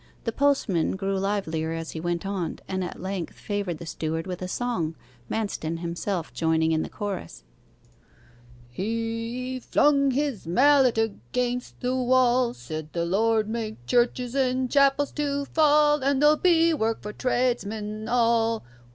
The postman grew livelier as he went on, and at length favoured the steward with a song, Manston himself joining in the chorus. 'He flung his mallet against the wall, Said, "The Lord make churches and chapels to fall, And there'll be work for tradesmen all!"